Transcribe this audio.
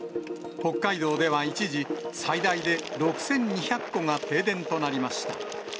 北海道では一時、最大で６２００戸が停電となりました。